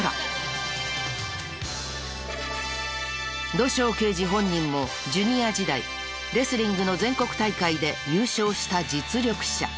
土性刑事本人もジュニア時代レスリングの全国大会で優勝した実力者。